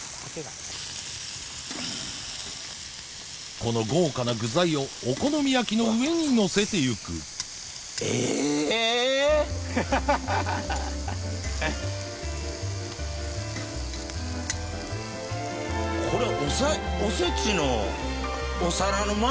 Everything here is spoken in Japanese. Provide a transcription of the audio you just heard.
この豪華な具材をお好み焼きの上にのせていくこれおせちの。か！